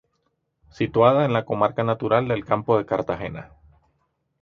Situada en la comarca natural del Campo de Cartagena.